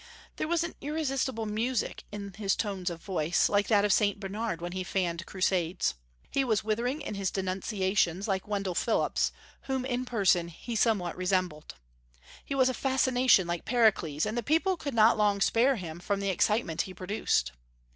There was an irresistible music in his tones of voice, like that of St. Bernard when he fanned crusades. He was withering in his denunciations, like Wendell Phillips, whom in person he somewhat resembled. He was a fascination like Pericles, and the people could not long spare him from the excitement he produced.